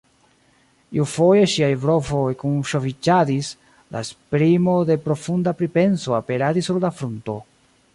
Iufoje ŝiaj brovoj kunŝoviĝadis, la esprimo de profunda pripenso aperadis sur la frunto.